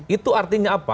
itu artinya apa